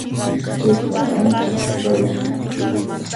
Chayqa ancha karun.